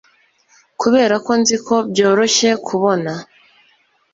kuberako nzi ko byoroshye kubona